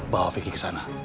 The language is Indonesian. bawa vicky kesana